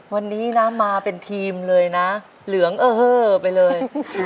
วันนี้นะมาเป็นทีมเลยนะเหลืองเออเฮ้อไปเลย